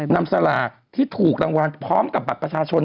สลากที่ถูกรางวัลพร้อมกับบัตรประชาชน